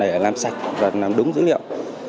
quá trình làm sạch và làm đúng dữ liệu